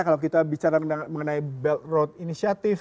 kalau kita bicara mengenai belt road inisiatif